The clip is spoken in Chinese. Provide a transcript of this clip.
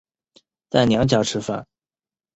在娘家吃饭